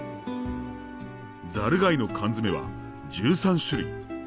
ザルガイの缶詰は１３種類。